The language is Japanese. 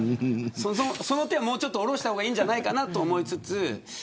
その手をもう少し下した方がいいんじゃないかなと思いつつ